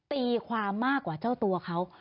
ตีความมากกว่าเจ้าตัวเขา